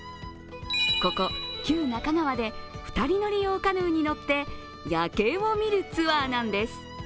ここ旧中川では２人乗り用カヌーに乗って夜景を見るツアーなんです。